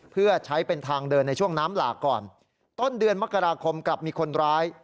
เพื่อใช้เป็นทางเดินในช่วงน้ำหลากก่อนต้นเดือนมกราคมกลับมีคนร้าย